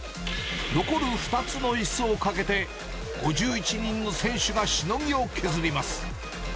残る２つのいすをかけて５１人の選手がしのぎを削ります。